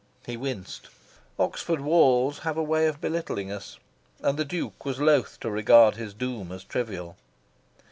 He winced. Oxford walls have a way of belittling us; and the Duke was loth to regard his doom as trivial.